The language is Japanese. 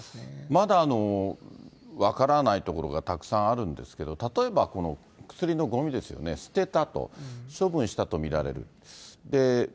まだ、分からないところがたくさんあるんですけれども、例えばこの薬のごみですよね、捨てたと、処分したと見られる。